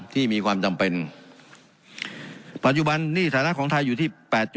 ที่มีความจำเป็นปัจจุบันหนี้ฐานะของไทยอยู่ที่๘๐